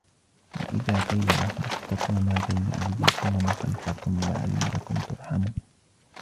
وَإِذَا قِيلَ لَهُمُ اتَّقُوا مَا بَيْنَ أَيْدِيكُمْ وَمَا خَلْفَكُمْ لَعَلَّكُمْ تُرْحَمُونَ